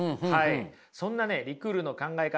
そんなねリクールの考え方